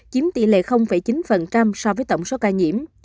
chiếm tỷ lệ chín so với tổng số ca nhiễm